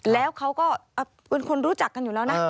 แล้วเขาก็เป็นคนรู้จักกันอยู่แล้วนะ